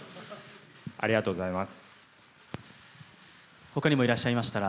ありがとうございます。